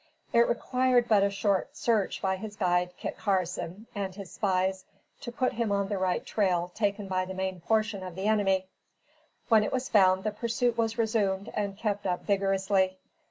It required but a short search by his guide, Kit Carson, and his spies, to put him on the right trail taken by the main portion of the enemy. When it was found, the pursuit was resumed and kept up vigorously.